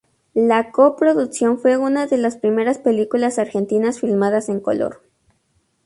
La co-producción fue una de las primeras películas argentinas filmadas en color.